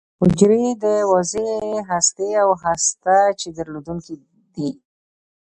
حجرې یې د واضح هستې او هسته چي درلودونکې دي.